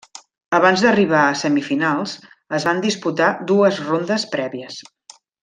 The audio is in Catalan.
Abans d'arribar a semifinals es van disputar dues rondes prèvies.